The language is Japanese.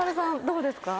どうですか？